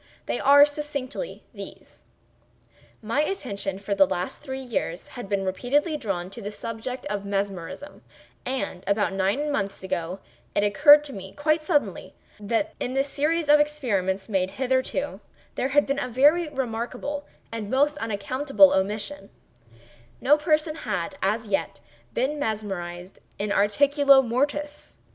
They are, succinctly, these: My attention, for the last three years, had been repeatedly drawn to the subject of Mesmerism; and, about nine months ago it occurred to me, quite suddenly, that in the series of experiments made hitherto, there had been a very remarkable and most unaccountable omission:—no person had as yet been mesmerized in articulo mortis.